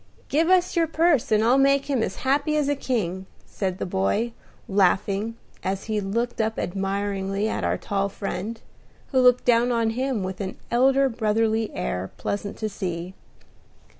Give us your purse, and I'll make him as happy as a king," said the boy, laughing, as he looked up admiringly at our tall friend, who looked down on him with an elder brotherly air pleasant to see.